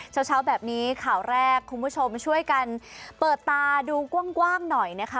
เช้าแบบนี้ข่าวแรกคุณผู้ชมช่วยกันเปิดตาดูกว้างหน่อยนะคะ